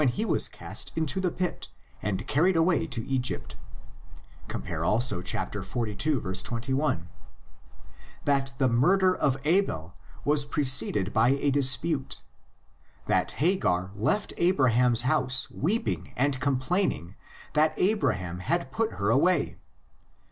he was cast into the pit and carried away to Egypt (cp. also xlii. 21), that the murder of Abel was pre ceded by a dispute, that Hagar left Abraham's house weeping and complaining that Abraham had put her away (xxi.